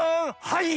はい！